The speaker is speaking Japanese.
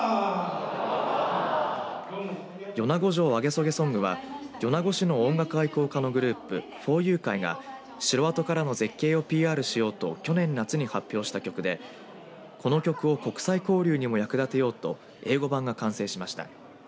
そげソングは米子市の音楽愛好家のグループフォーユー会が城跡からの絶景をＰＲしようと去年夏に発表した曲でこの曲を国際交流にも役立てようと英語版が完成しました。